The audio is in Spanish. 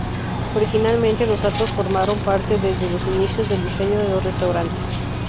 Originalmente, los arcos formaron parte desde los inicios del diseño de los restaurantes.